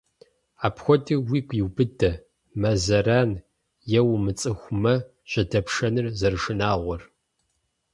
Апхуэдэуи уигу иубыдэ, мэ зэран е умыцӀыху мэ жьэдэпшэныр зэрышынагъуэр.